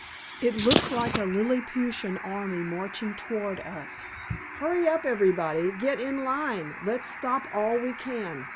It looks like a Lilliputian army marching toward us! Hurry up everybody, get in line, let's stop all we can.